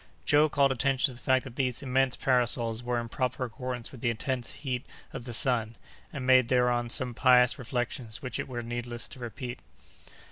Joe called attention to the fact that these immense parasols were in proper accordance with the intense heat of the sun, and made thereon some pious reflections which it were needless to repeat.